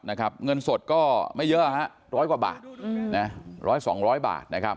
เงินสดก็ไม่เยอะ๑๐๐กว่าบาท๑๐๐๒๐๐บาท